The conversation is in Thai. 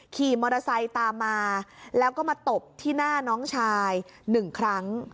ขี่มอเตอร์ไซค์ตามมาแล้วก็มาตบที่หน้าน้องชายหนึ่งครั้ง